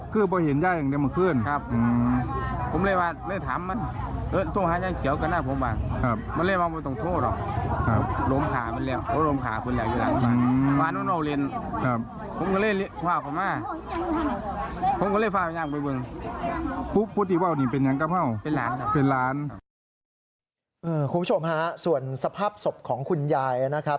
คุณผู้ชมฮะส่วนสภาพศพของคุณยายนะครับ